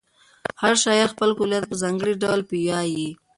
هر شاعر خپل کلمات په ځانګړي ډول پیوياي.